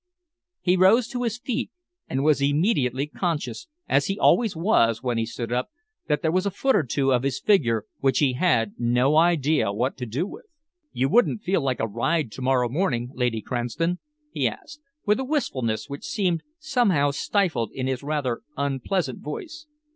He rose to his feet and was immediately conscious, as he always was when he stood up, that there was a foot or two of his figure which he had no idea what to do with. "You wouldn't feel like a ride to morrow morning, Lady Cranston?" he asked, with a wistfulness which seemed somehow stifled in his rather unpleasant voice.